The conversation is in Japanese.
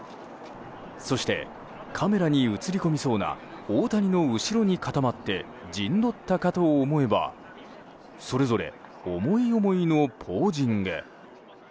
そして、カメラに写り込みそうな大谷の後ろに固まって陣取ったかと思えばそれぞれ思い思いのポージング。